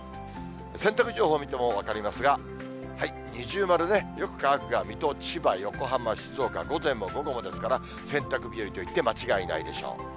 洗濯情報見ても分かりますが、二重丸ね、よく乾くが水戸、千葉、横浜、静岡、午前も午後もですから、洗濯日和といって間違いないでしょう。